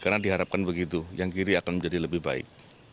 karena diharapkan begitu yang kiri akan menjadi lebih baik